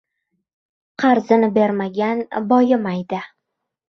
• Qarzini bermagan boyimaydi.